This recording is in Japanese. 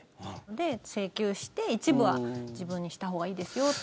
で、請求して、一部は自分にしたほうがいいですよと。